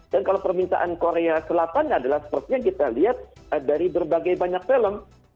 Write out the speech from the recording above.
kalau permintaan korea selatan adalah seperti yang kita lihat dari berbagai banyak film